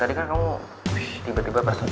tadi kan kamu tiba tiba pas